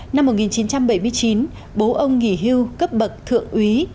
năm một nghìn chín trăm bảy mươi chín bố ông nghỉ hưu cấp bậc thượng úy